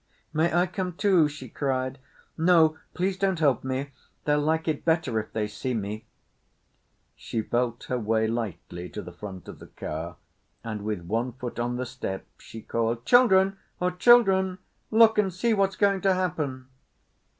"May I come too?" she cried. "No, please don't help me. They'll like it better if they see me." She felt her way lightly to the front of the car, and with one foot on the step she called: "Children, oh, children! Look and see what's going to happen!"